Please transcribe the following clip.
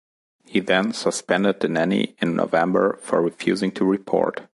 He then suspended Denneny in November for refusing to report.